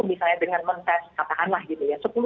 misalnya dengan men test katakanlah gitu ya